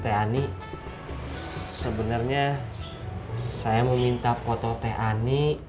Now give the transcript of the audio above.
tee ani sebenernya saya mau minta foto teee ani